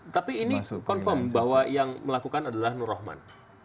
tapi ini confirm bahwa yang melakukan adalah nur rahman